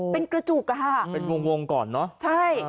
เป็นกระจุกอะค่ะเป็นวงงก่อนเนอะใช่